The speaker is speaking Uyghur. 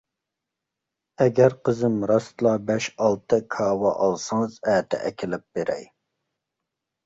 ئەگەر قىزىم راستلا بەش-ئالتە كاۋا ئالسىڭىز ئەتە ئەكېلىپ بېرەي.